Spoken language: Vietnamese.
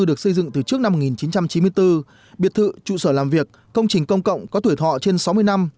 được xây dựng từ trước năm một nghìn chín trăm chín mươi bốn biệt thự trụ sở làm việc công trình công cộng có tuổi thọ trên sáu mươi năm